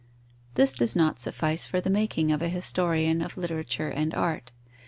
This does not suffice for the making of a historian of literature and art.